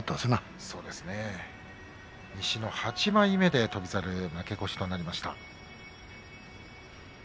翔猿、西の８枚目で負け越しとなりました。